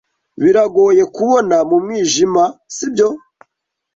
Biragoye kubona mu mwijima, sibyo?